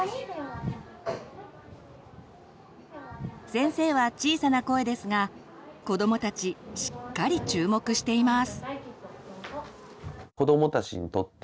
先生は小さな声ですが子どもたちしっかり注目しています。